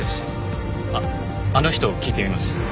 あっあの人聞いてみます。